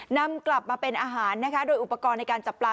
นำไปเป็นอาหารด้วยอุปกรณ์ในการจับปลา